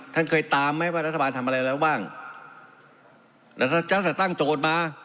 ท่านเคยตามไหมว่ารัฐบาลทำอะไรแล้วบ้างแล้วถ้าจะตั้งโจทย์มา